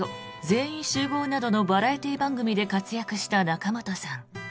全員集合」などのバラエティー番組で活躍した仲本さん。